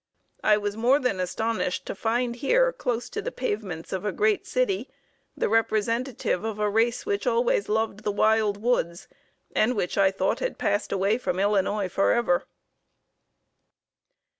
I was more than astonished to find here, close to the pavements of a great city, the representative of a race which always loved the wild woods, and, which I thought had passed away from Illinois forever."